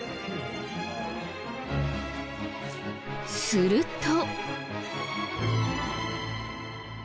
すると。